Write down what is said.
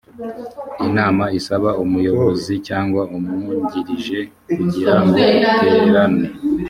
inama isaba umuyobozi cyangwa umwungirije kugira ngo iterane